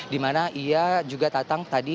dimana ia juga datang tadi